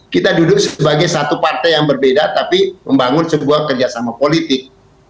kita duduk sebagai satu partai yang berbeda tapi membangun sebuah kerjasama politik